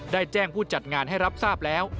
ได้แจ้งผู้จัดงานให้รับทราบแล้ว